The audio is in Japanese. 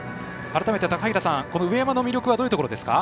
改めて、高平さん上山の魅力はどういうところですか？